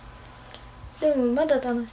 でもまだ楽しい。